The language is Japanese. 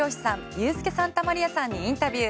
ユースケ・サンタマリアさんにインタビュー。